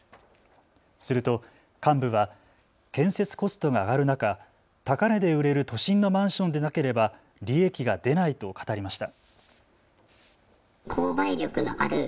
すると幹部は、建設コストが上がる中、高値で売れる都心のマンションでなければ利益が出ないと語りました。